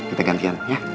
kita gantian ya